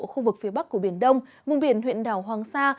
ở khu vực phía bắc của biển đông vùng biển huyện đảo hoàng sa